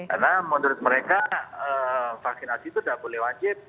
karena menurut mereka vaksinasi itu udah boleh wajib